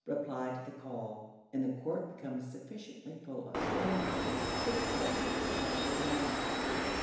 reply to the call, and the court becomes sufficiently full of strong, thick set, comfortable men.